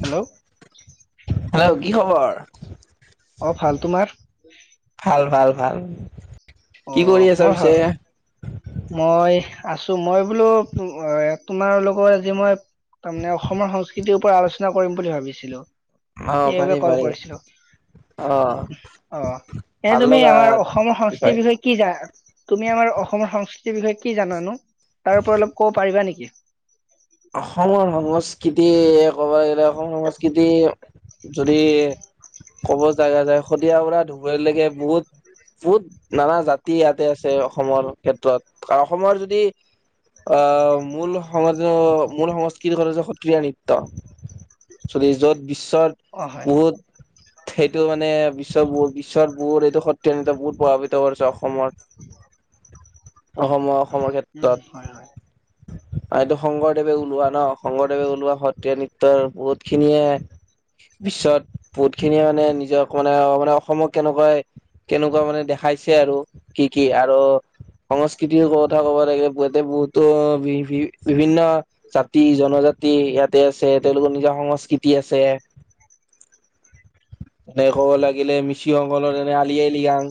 Hello. Hello কি খবৰ? অ', ভাল, তোমাৰ? ভাল, ভাল, ভাল। কি কৰি অ', আছা মই ভ পিছে? মই আছো মই বোলো, তোমাৰ লগত আজি মই তাৰমানে অসমৰ সংস্কৃতিৰ ওপৰত আলোচনা কৰিম বুলি ভাবিছিলো। অ সেইবাবে পাৰি ক'ল পাৰি কৰিছিলো অ অ এই ভাল তুমি লগা আমাৰ এটা অসমৰ সং বিষয়। বিষয়ে কি জানা, তুমি আমাৰ অসমৰ সং স বিষয়ে কি জানোনো? তাৰ পৰা অলপ ক'ব পাৰিবা নেকি? অসমৰ সংস্কৃতি ক'ব গলে অসমৰ সংস্কৃতি যদি ক'ব জাগা যায় শদিয়া পৰা ধুবুৰীলৈ বহুত বহুত নানা জাতি ইয়াতে আছে, অসমৰ ক্ষেত্ৰত অসমৰ যদি অ', মূল সং মূল সংস্কৃতি ঘ হৈছে সত্ৰীয়া নৃত্য, চ যত বিশ্ব চত অ হয় বহুত সেইটো মানে বিশ্ব বিশ্বত বহুত এইটো সত্ৰ বহুত প্ৰভাৱিত কৰিছে অসমত অসমৰ অসমৰ উম ক্ষেত্ৰত হয় হয় আৰু এইটো শংকৰদেৱে ওলোৱা ন' শংকৰদেৱে ওলোৱা সত্ৰীয়া নৃত্যৰ বহুত খিনিয়ে বিশ্বত বহুত খিনিয়ে মানে নিজক মানে, মানে অসমক কেনেকুৱাই, কেনেকুৱা মানে দেখাইছে আৰু কি কি আৰু সংস্কৃতিৰ কথা ক'ব লাগেতে বহুতো বিভি বিভিন্ন জাতি জনজাতি ইয়াতে আছে, তেওঁলোকৰ নিজৰ সংস্কৃতি আছে, এনে ক'ব লাগিলে মিচিং সকলৰ এনে আলি আই লৃগাং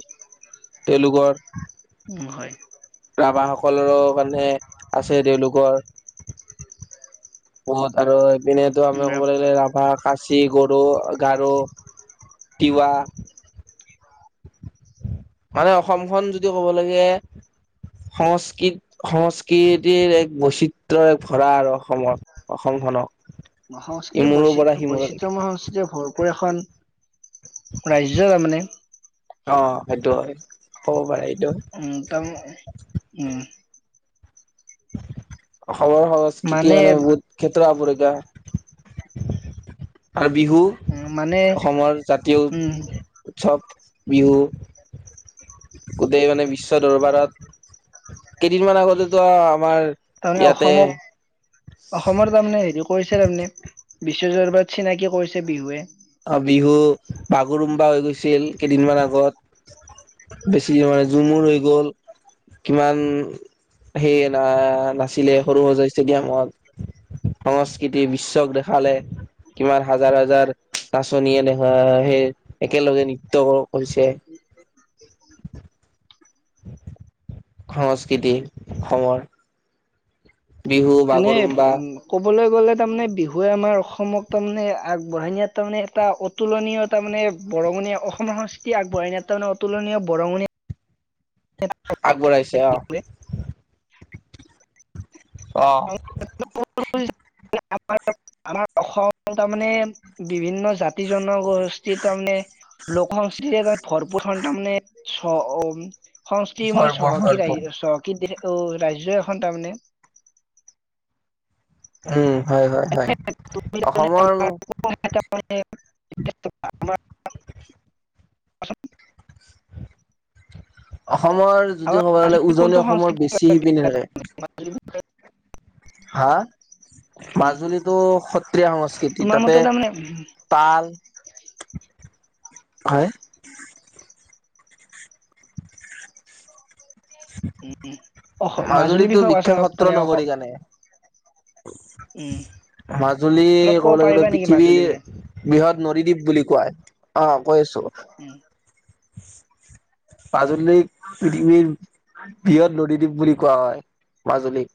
তেওঁলোকৰ। উম, হয়। ৰাভাসকলৰো কাৰণে আছে তেওঁলোকৰ বহত আৰু এইপিনেতো উম আমি ৰ ক'ব লাগলে ৰাভা খাচি গৰু গাৰো তিৱা মানে অসমখন যদি ক'ব লাগে সংস্কৃত সংস্কৃতিৰ এক বৈচিত্ৰয়ৰ এক ভৰা আৰু অসমত অসমখনক। সংস্কৃতিৰ ইমূৰৰ পৰা বৈচিত্ৰ বৈচিত্ৰ্য সিমূৰলৈকে সংস্কৃতিৰ ভৰপূৰ এখন ৰাজ্য তাৰ মানে অঁ সেইটো হয়, হ'ব পাৰে। এইটো উ ত উম সহ-সংস্কৃতি মানে বহুত ক্ষেত্ৰ আপৰিকা হয় আ বিহু উ মানে অসমৰ জাতীয় উম উৎসৱ, বিহু গোটেই মানে বিশ্ব দৰবাৰত, কেইদিনমান আগতেটো আমাৰ তাৰ মানে ইয়াতে অসমত, অসমৰ তাৰ মানে হেৰি কৈছে তাৰ মানে, বিশ্বজৰবাত চিনাকি কৰিছে বিহুৱে। অঁ বিহু বাগৰুম্বা হৈ গৈছিল কেইদিনমান আগত, বেছি মান ঝুমুৰ হৈ গ'ল, কিমান সেই নাছিলে সৰু সজাই ষ্টেডিয়ামত সংস্কৃতিক বিশ্বক দেখালে, কিমান হাজাৰ হাজাৰ নাচনীয়ে দেখা সেই একেলগে নৃত্য ক কৰিছে। সংস্কৃতি, অসমৰ [unintelligible] বিহু এনে বাগৰুম্বা উম ক'বলৈ গ'লে তাৰমানে বিহুৱে আমাৰ অসমক তাৰমানে আগবঢ়াই নিয়াত তাৰ মানে এটা অতুলনীয় তাৰ মানে বৰঙণি অসম সংস্কৃতি আগবঢ়াই নিয়াত তাৰ মানে অতুলনীয় বৰঙণি আগবঢ়াইছে অ [unintelligible] অঁ আমাৰ আমাৰ অসম তাৰ মানে বিভিন্ন জাতি-জনগ [unintelligible] লোক-সংস্কৃ ভৰপূৰখন তাৰ মানে চ অম সংস্কৃতি মই ভৰপুৰ চহকী ভৰপুৰ ৰাই চহকীত দিশে তৌ ৰাজ্য এখন তাৰ মানে উম হয় হয় হয়, অসমৰ [unintelligible] অসমৰ যদি আমাৰ কবলৈ গ'লে মাজুলী কোনটো উজনি অসমৰ বেছি সংস্কৃতি শিপিনী থাকে। হা মাজুলীটো সত্ৰীয়া সংস্কৃতি তোমাৰ তাতে, মতে তাৰমানে তাল হয় উম উম। মাজুলীটো বিখ্যাত সত্ৰ নগৰী জানে, উম মাজুলী অলপ ক'ব ক'বলে গ'লে পাৰিবা নেকি মাজুলীৰ পৃথিৱীৰ বিষয়ে? বৃহৎ নদী দ্বীপ বুলি কোৱা হয়। কৈছোঁ। উম মাজুলী পৃথিৱীৰ বৃহৎ নদী দ্বীপ। বুলি কোৱা হয়। মাজুলীক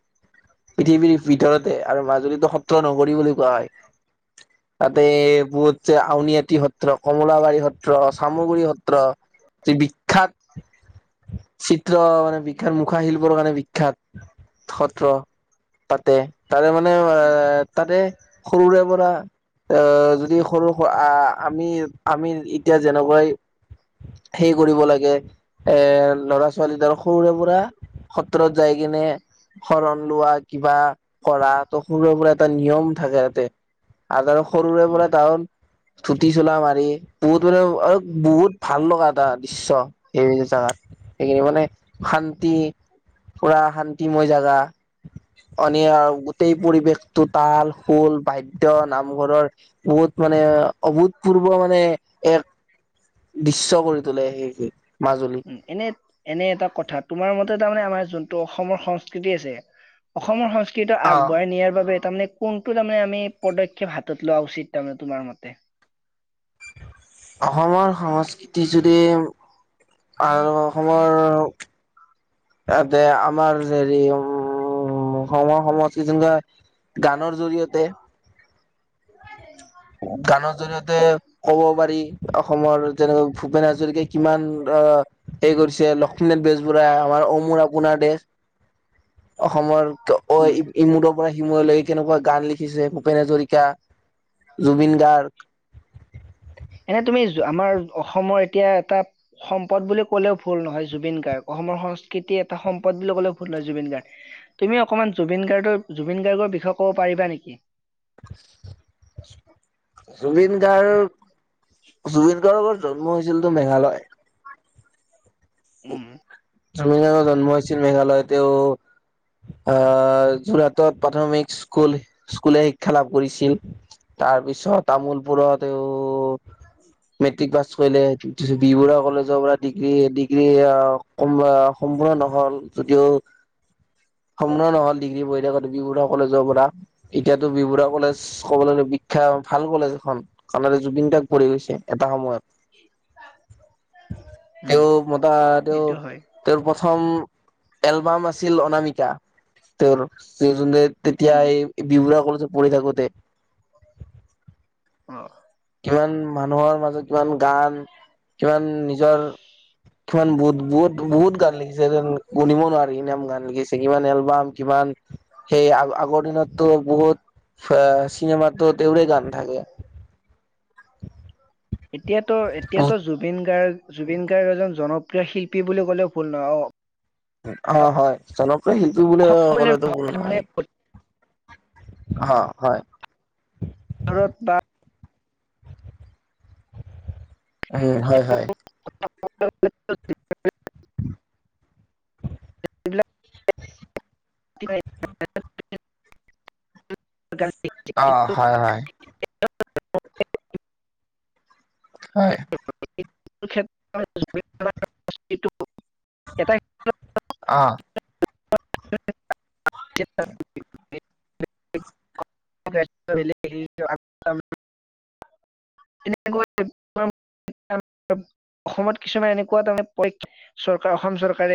পৃথিৱীৰ ভিতৰতে আৰু মাজুলীতো সত্ৰ নগৰী বুলি কোৱা হয়। তাতে, [unintelligible] আউনীআটী সত্ৰ, কমলাবাৰী সত্ৰ, চামগুৰি সত্ৰ, যি বিখ্যাত চিত্ৰ মানে, বিখ্যাত মুখাশিল্প কাৰণে বিখ্যাত সত্ৰ পাতে। তাৰে মানে, এ' তাৰে সৰুৰে পৰা এ, যদি সৰু আমি আমি এতিয়া যেনেকুৱাই সেই কৰিব লাগে, এ! ল'ৰা ছোৱালী তাৰ সৰুৰে পৰা সত্ৰত যায় কেনে শৰণ লোৱা কিবা কৰাটো সৰুৰে পৰা এটা নিয়ম থাকে তাতে। আনাৰস সৰুৰে পৰা কাৰণ, ধুতি চোলা মাৰি, বহুতৰে বহুত ভাল লগা এটা দৃশ্য, এই জাগাত এইখিনি মানে শান্তি পুৰা শান্তিময় জাগা। গোটেই পৰিৱেশটো, তাল খোল, বাদ্য নামঘৰৰ বহুত মানে অভূতপূৰ্ব মানে, এক দৃশ্য কৰি তোলে! সেই মাজুলী। উম এনে এনে এটা কথা তোমাৰ মতে তাৰমানে আমাৰ যোনটো অসমৰ সংস্কৃতি আছে। অসমৰ সংস্কৃতি কেইটা আহ আগবঢ়াই নিয়াৰ বাবে তাৰমানে কোনটো তাৰমানে আমি পদক্ষেপ হাতত লোৱা উচিত তাৰমানে তোমাৰ মতে? অসমৰ সংস্কৃতি যদি আৰু অসমৰ তাতে আমাৰ হেৰি উম, সম সমষ্টিৰ [unintelligible] গানৰ জৰিয়তে [inaudible] গানৰ জৰিয়তে ক'ব পাৰি, অসমৰ যেনেকৈ ভূপেন হাজৰিকাই কিমান অ' সেই কৰিছে। লক্ষ্মীনাথ বেজবুজবৰুৱাই, অ' মোৰ আপোনাৰ দেশ। অসমৰ অ' উম ইমূ ইমূৰৰ পৰা সিমূৰলৈ কেনেকুৱা গান লিখিছে ভূপেন হাজৰিকা জুবিন গাৰ্গ। এনে তুমি, আমাৰ অসমৰ এতিয়া এটা, সম্পদ বুলি ক'লেও ভুল নহয় জুবিন গাৰ্গ। অসমৰ সংস্কৃতি এটা সম্পদ বুলি কলেও ভুল নহয় জুবিন গাৰ্গ। তুমি অকনমান জুবিন গাৰ্গৰ, জুবিন গাৰ্গৰ বিষয়ে ক'ব পাৰিবা নেকি? [inaudible] জুবিন গাৰ্গ জুবিন গাৰ্গৰ জন্ম হৈছিল তোৰ মেঘালয়। উম! উ! জুবিন গাৰ্গ জন্ম হৈছিল মেঘালয়ত। তেওঁ অ' যোৰহাটত প্ৰাথমিক স্কুল, স্কুলীয়া শিক্ষা লাভ কৰিছিল। তাৰপিছত তামুলপুৰত তেওঁ মেট্ৰিক পাছ কৰিলে। বি বৰুৱা কলেজৰ পৰা ডিগ্ৰী, ডিগ্ৰী আ' সম্পূৰ্ণ নহ'ল যদিও, সম্পূৰ্ণ নহ'ল ডিগ্ৰী পঢ়ি থাকোঁতে বি বৰুৱা কলেজৰ পৰা। এতিয়াতো বি বৰুৱা কলেজ ক'বলৈ গ'লে বিখ্যাত ভাল কলেজ এখন। [unintelligible] জুবিন দা পঢ়ি গৈছে এটা সময়ত। উম তেওঁ মতা তেওঁ সেইটো হয় তেওঁৰ প্ৰথম এলবাম আছিল অনামিকা তেওঁৰ তেতিয়া উম এই বি বৰুৱা পঢ়ি থাকোতে অ কিমান মানুহৰ মাজত কিমান গান কিমান নিজৰ কিমান বহুত বহুত বহুত গান লিখিছে যে গুনিব নোৱাৰি ইমান গান লিখিছে কিমান এলবাম কিমান সেই আ আগৰ দিনততো বহুত চিনেমাত তেওঁৰে গান থাকে এতিয়াতো অ এতিয়াতো জুবিন গাৰ্গ জুবিন গাৰ্গ এজন জনপ্ৰিয় শিল্পী বুলি কলেও ভুল নহয় অ অ হয় চলপ সেইটো অসম বুলিল বুলিয়ে ন নহয়, মানে হা হয় [unintelligible] ভাৰত বা উ হয় হয় [unintelligible] যি বিলাক [unintelligible] অ হয় হয় হয় [unintelligible] জুবিন ক্ষেত্ৰ আহ [unintelligible] অসমত কিছুমান এনেকুৱা তাৰমানে [unintelligible]